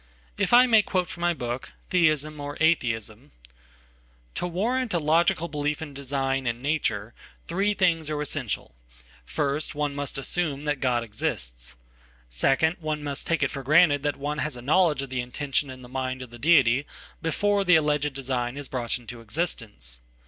if I may quote from mybook, Theism, or Atheism: — "To warrant a logical belief in design, in nature, three things are essential. First, one must assume that God exists. Second, one must take it for granted that one has a knowledge of the intention in the mind of the deity before the alleged design is brought into existence.